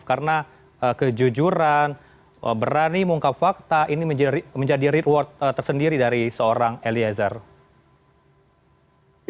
karena kejujuran berani mengungkap fakta ini menjadi reward tersendiri dari seorang elizeth